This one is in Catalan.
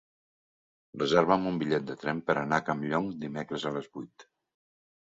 Reserva'm un bitllet de tren per anar a Campllong dimecres a les vuit.